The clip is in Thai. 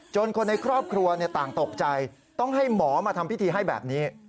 คนในครอบครัวต่างตกใจต้องให้หมอมาทำพิธีให้แบบนี้